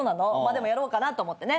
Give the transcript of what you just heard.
でもやろうかなと思ってね。